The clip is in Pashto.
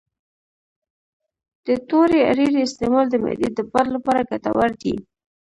د تورې اریړې استعمال د معدې د باد لپاره ګټور دی